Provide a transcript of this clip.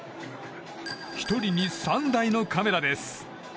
１人に３台のカメラです。